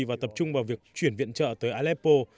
và tập trung vào việc chuyển viện trợ tới aleppo